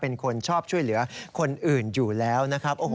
เป็นคนชอบช่วยเหลือคนอื่นอยู่แล้วนะครับ